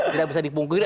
tidak bisa dipungkiri